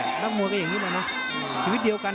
ยังเหลือฟ้ามงคลยังเหลือชัยมงคลชื่อดีทั้งนั้น